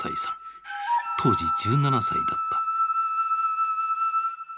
当時１７歳だった。